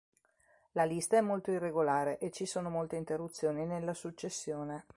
La lista è molto irregolare e ci sono molte interruzioni nella successione.